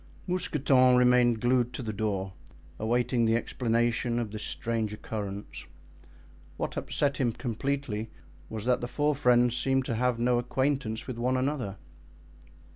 Mousqueton remained glued to the door, awaiting the explanation of this strange occurrence. What upset him completely was that the four friends seemed to have no acquaintance with one another.